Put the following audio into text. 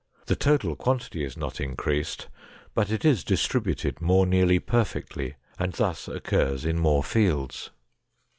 The total quantity is not increased, but it is distributed more nearly perfectly and thus occurs in more fields.